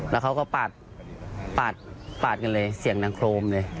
แล้วเขาก็ปาดกันเลยเสียงดังโครมเลย